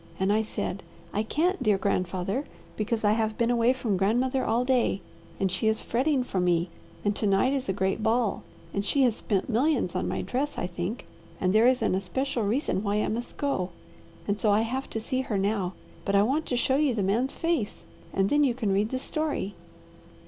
And I said, 'I can't, dear grandfather, because I have been away from grandmother all day, and she is fretting for me, and to night is a great ball, and she has spent millions on my dress, I think, and there is an especial reason why I must go, and so I have to see her now; but I want to show you the man's face, and then you can read the story.'